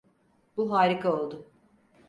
Bu harika oldu.